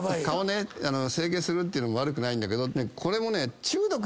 顔ね整形するっていうのも悪くないんだけどこれもね。